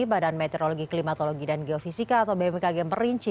badan meteorologi klimatologi dan geofisika atau bmkg merinci